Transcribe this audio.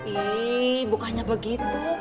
ih bukannya begitu